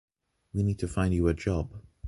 We need to find you a job.